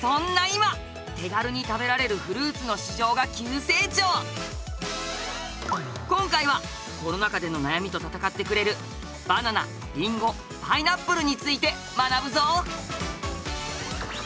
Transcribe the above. そんな今今回はコロナ禍での悩みと戦ってくれるバナナりんごパイナップルについて学ぶぞ！